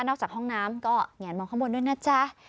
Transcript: ออกจากห้องน้ำก็แงนมองข้างบนด้วยนะจ๊ะ